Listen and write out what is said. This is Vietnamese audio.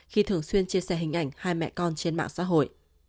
khi thường xuyên chia sẻ hình ảnh hai mẹ con trên mạng xã hội